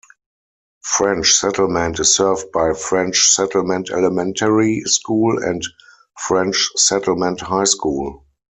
French Settlement is served by French Settlement Elementary School and French Settlement High School.